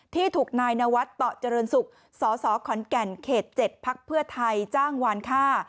ที่ถูกนายนวัดต่อเจริญศุกร์สสขอนแก่นเขต๗พักเพื่อไทยจ้างวานค่า